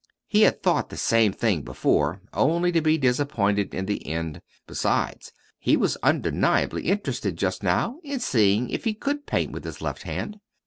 He had thought the same thing before, only to be disappointed in the end. Besides, he was undeniably interested just now in seeing if he could paint with his left hand.